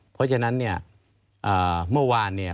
เพราะฉะนั้นเนี่ยเมื่อวานเนี่ย